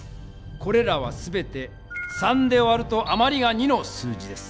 これらはすべて３で割るとあまりが２の数字です。